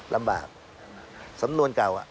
ลำบากสำนวนเก่า